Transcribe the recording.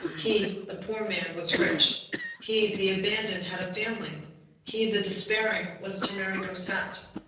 He, the poor man, was rich; he, the abandoned, had a family; he, the despairing, was to marry Cosette.